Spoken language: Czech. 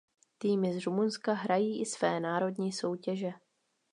Týmy z Rumunska hrají i své národní soutěže.